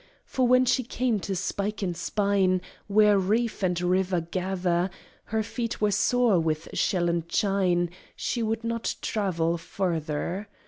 For when she came to spike and spine, Where reef and river gather, Her feet were sore with shell and chine; She could not travel farther.